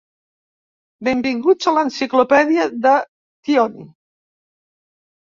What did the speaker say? Benvinguts a l'enciclopèdia de Tlön.